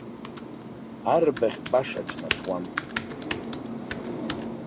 Арбаӷь баша ҿнаҭуам.